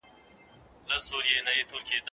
کله سوړ نسیم چلیږي کله ټاکنده غرمه سي